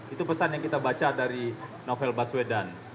itu pesan yang kita baca dari novel baswedan